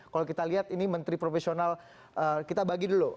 kalau kita lihat ini menteri profesional kita bagi dulu